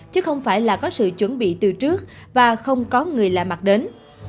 chứ không phải là có sự chuẩn bị từ trước và không có người lạ mặt đến